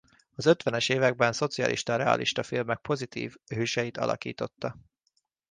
Az ötvenes években szocialista realista filmek pozitív hőseit alakította.